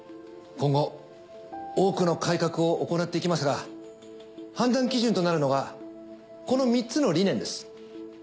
今後多くの改革を行っていきますが判断基準となるのがこの３つの理念です。